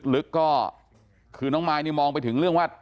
ลึกก็คือน้องมายนี่มองไปถึงเรื่องว่า